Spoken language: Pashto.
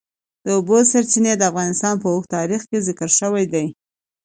د اوبو سرچینې د افغانستان په اوږده تاریخ کې ذکر شوی دی.